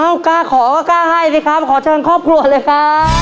เอ้ากล้าขอก็กล้าให้สิครับขอช่างครอบครัวเลยค่ะ